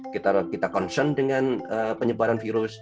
kita concern dengan penyebaran virus